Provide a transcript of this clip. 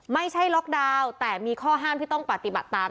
ไม่ใช่ล็อกดาวน์แต่มีข้อห้ามที่ต้องปฏิบัติตาม